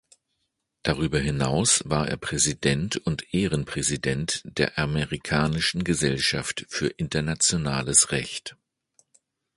Darüber hinaus war er Präsident und Ehrenpräsident der Amerikanischen Gesellschaft für internationales Recht.